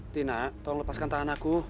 tina tolong lepaskan tangan aku